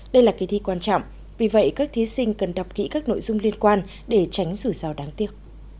đây là kỳ thi quan trọng vì vậy các thí sinh cần đọc kỹ các nội dung liên quan để tránh rủi rào đáng tiếc